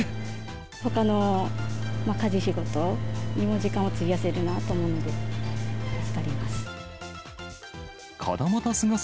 ほかの家事、仕事にも時間を費やせるなと思うので、助かります。